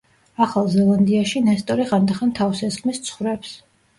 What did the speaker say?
ახალ ზელანდიაში ნესტორი ხანდახან თავს ესხმის ცხვრებს.